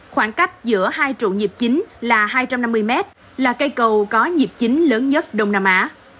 khoảng cách giữa hai trụ nhịp chính là hai trăm năm mươi m là cây cầu có nhịp chính lớn nhất đông nam á